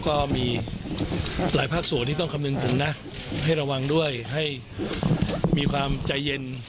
ก็มีหลายภาคส่วนที่ต้องคำนึงถึงนะให้ระวังด้วยให้มีความใจเย็น